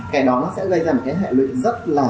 cái đó nó sẽ gây ra một cái hệ lụy rất là